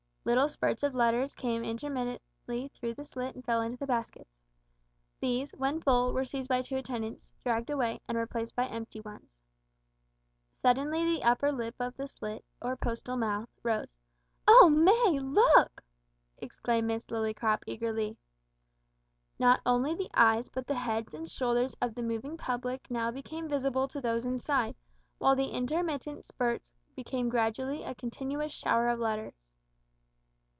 Little spurts of letters came intermittently through the slit and fell into the baskets. These, when full, were seized by two attendants, dragged away, and replaced by empty ones. Suddenly the upper lip of the slit, or postal mouth, rose. "Oh, May, look!" exclaimed Miss Lillycrop eagerly. Not only the eyes but the heads and shoulders of the moving public now became visible to those inside, while the intermittent spurts became gradually a continuous shower of letters.